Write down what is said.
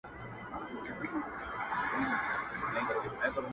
له یخنیه دي بې واکه دي لاسونه؛!